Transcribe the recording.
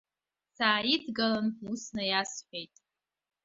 Сааидгылан, ус наиасҳәеит.